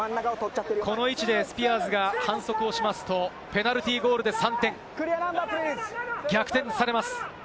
この位置でスピアーズが反則をしますと、ペナルティーゴールで３点、逆転されます。